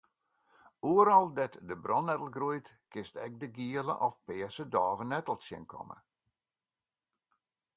Oeral dêr't de brannettel groeit kinst ek de giele of pearse dôvenettel tsjinkomme.